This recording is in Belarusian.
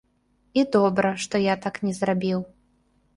І добра, што я так не зрабіў.